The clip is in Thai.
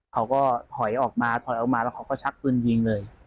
เขาก็ถอยออกมาถอยออกมาแล้วเขาก็ชักปืนยิงเลย